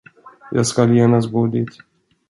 Jag skall genast gå dit.